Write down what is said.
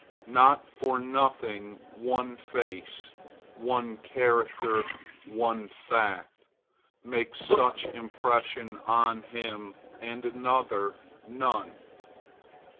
Not for nothing one face, one character, one fact, makes much impression on him, and another none.